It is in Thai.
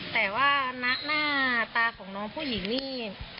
แต่ว่าณหน้าตาของน้องผู้หญิงนี่